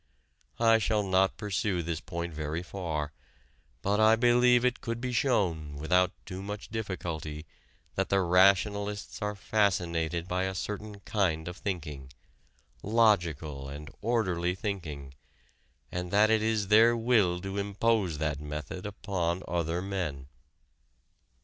I shall not pursue this point very far, but I believe it could be shown without too much difficulty that the rationalists are fascinated by a certain kind of thinking logical and orderly thinking and that it is their will to impose that method upon other men.